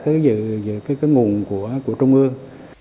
cái nguồn của trung ương